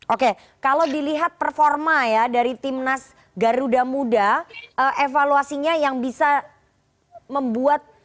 oke kalau dilihat performa ya dari tim nas garuda muda evaluasinya yang bisa membuat performa nanti